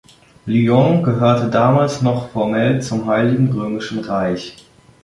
Lyon gehörte damals noch formell zum Heiligen Römischen Reich.